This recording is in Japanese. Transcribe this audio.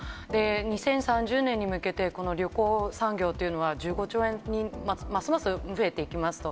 ２０３０年に向けて、この旅行産業というのは、１５兆円に、ますます増えていきますと。